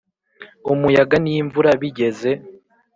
umuyaga n'imvura bigeze,